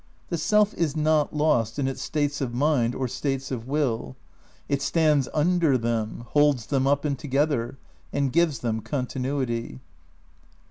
The Self is not lost in its states of mind or states of will ; it stands wnder them, holds them up and together, and gives them con tinuity.